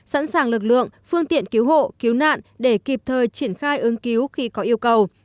sẵn sàng lực lượng phương tiện cứu hộ cứu nạn để kịp thời triển khai ứng cứu khi có yêu cầu